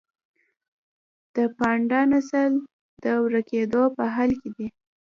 د پاندا نسل د ورکیدو په حال کې دی